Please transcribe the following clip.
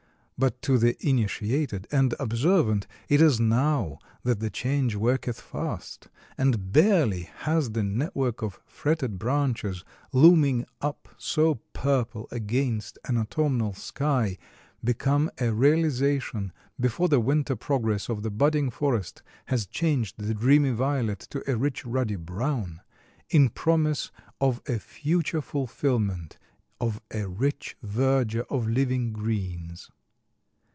But to the initiated and observant, it is now that the change worketh fast, and barely has the network of fretted branches, looming up so purple against an autumnal sky, become a realization, before the winter progress of the budding forest has changed the dreamy violet to a rich ruddy brown, in promise of a future fulfillment of a rich verdure of living greens.